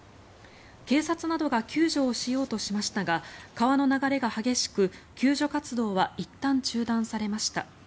警察などが救助をしようとしましたが川の流れが激しく救助活動はいったん中断されました。